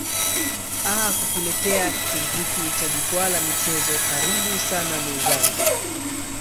aa kukuletea kipindi hiki cha jukwaa la michezo karibu sana mwenzangu